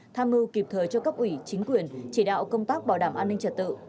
tham mưu kịp thời cho cấp ủy chính quyền chỉ đạo công tác bảo đảm an ninh trật tự